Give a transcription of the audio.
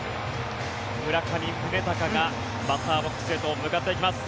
村上宗隆がバッターボックスへと向かっていきます。